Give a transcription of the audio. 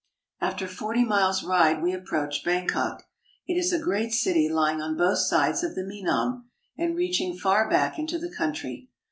After forty miles' ride we approach Bangkok. It is a great city lying on both sides of the Menam, and reaching far back into the country.